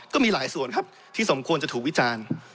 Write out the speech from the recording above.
ก็มีหลายส่วนครับที่สมควรจะถูกวิจารณ์